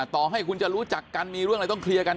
ต่อให้คุณจะรู้จักกันมีเรื่องอะไรต้องเคลียร์กัน